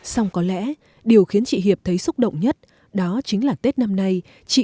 xong có lẽ điều khiến chị hiệp thấy xúc động nhất đó chính là tết năm nay chị